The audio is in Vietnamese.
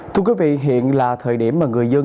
thưa quý vị hiện là thời điểm mà người dân